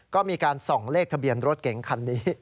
ก็มีการส่องเลขทะเบียนรถเก๋งคันนี้